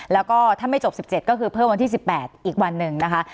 แล้วก็ถ้าไม่จบ๑๗ก็คือเพิ่มวันที่๑๘อีกวันหนึ่งนะคะ